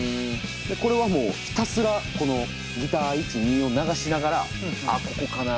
これはもうひたすらこのギター１２を流しながらあっここかな？